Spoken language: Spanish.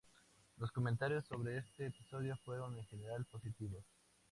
Los comentarios sobre este episodio fueron en general positivos.